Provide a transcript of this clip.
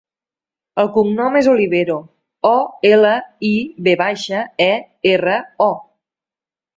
El cognom és Olivero: o, ela, i, ve baixa, e, erra, o.